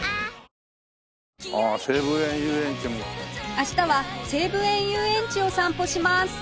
明日は西武園ゆうえんちを散歩します